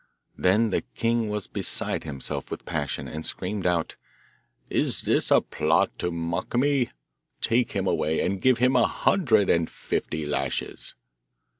Then the king was beside himself with passion, and screamed out, 'Is this a plot to mock me? Take him away, and give him a hundred and fifty lashes!